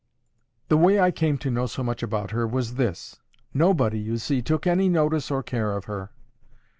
'The way I came to know so much about her was this. Nobody, you see, took any notice or care of her.